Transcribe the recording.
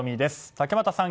竹俣さん